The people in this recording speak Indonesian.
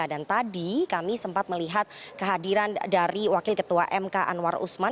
dan tadi kami sempat melihat kehadiran dari wakil ketua mk anwar usman